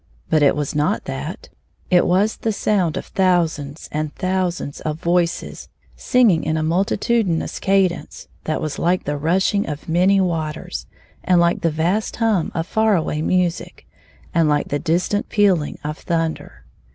But it was not that ; it was the sound of thousands and thousands of voices, singing in a multitudinous cadence, that was like the rushing of many waters, and like the vast hum of far away music, and like the distant pealing of thunder.